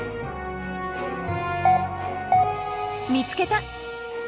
見つけた！